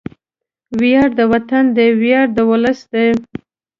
وياړ د وطن دی، ویاړ د ولس دی